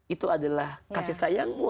itu adalah kasih sayangmu